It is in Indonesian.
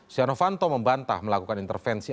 siano fanto membantah melakukan intervensi